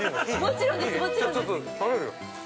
ちょっと食べるよ。